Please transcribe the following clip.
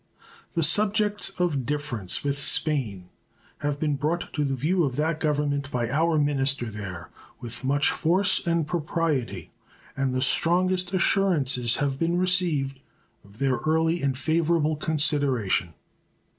The subjects of difference with Spain have been brought to the view of that Government by our minister there with much force and propriety, and the strongest assurances have been received of their early and favorable consideration.